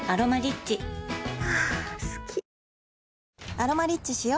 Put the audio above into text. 「アロマリッチ」しよ